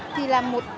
thì là một